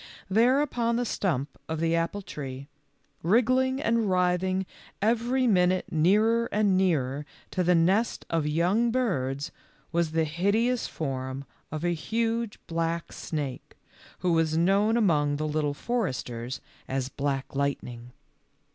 There upon the stump of the apple tree, wriggling and writhing every minute nearer and nearer to the nest of young birds, was the hideous form of a huge, black snake, who was known among the Little Foresters as Black Lightning.